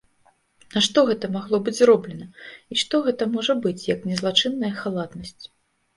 Нашто гэта магло быць зроблена, і што гэта можа быць, як не злачынная халатнасць?